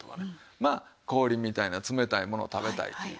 まあ氷みたいな冷たいものを食べたりっていうね。